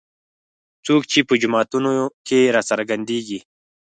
څوک چې په جوماتونو کې راڅرګندېږي.